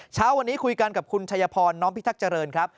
เช้าวันนี้คุยกันกับคุณชัยพรน้อมพิทักษ์เจริญครับ